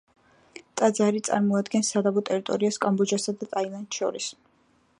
ტაძარი წარმოადგენს სადავო ტერიტორიას კამბოჯასა და ტაილანდს შორის.